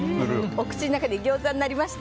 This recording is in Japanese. お口の中でギョーザになりました？